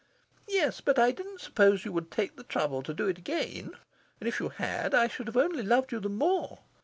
"Yes, but I didn't suppose you would take the trouble to do it again. And if you had, I should have only loved you the more.